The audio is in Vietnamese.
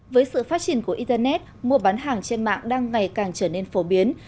với sự phát triển của internet mua bán hàng trên mạng đang ngày càng trở nên phổ biến